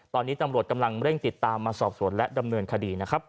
ตอนนี้ตำรวจกำลังเร่งติดตามมาสอบสวนและดำเนินคดีนะครับ